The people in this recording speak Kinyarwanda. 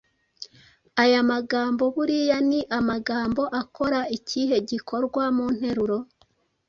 Aya magambo buriya ni amagambo akora ikihe gikorwa mu nteruro?